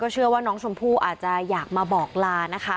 เชื่อว่าน้องชมพู่อาจจะอยากมาบอกลานะคะ